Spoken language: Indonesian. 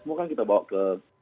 semua kan kita bawa ke